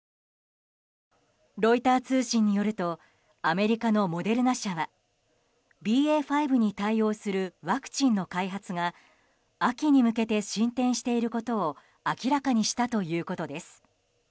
ロイター通信によるとアメリカのモデルナ社はＢＡ．５に対応するワクチンの開発が秋に向けて進展していることを明らかにしたということです。